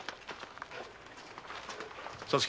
皐月。